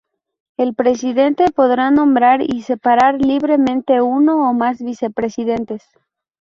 El presidente podrá nombrar y separar libremente uno o más vicepresidentes.